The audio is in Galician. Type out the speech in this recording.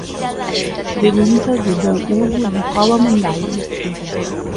Pregunta de don Hugo Dacova Mandaio.